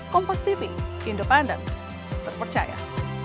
kompas tv independen terpercaya